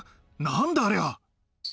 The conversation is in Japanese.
何だありゃ。